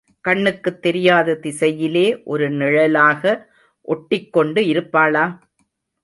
கண்ணுக்குத் தெரியாத திசையிலே ஒரு நிழலாக ஒட்டிக் கொண்டு இருப்பாளா?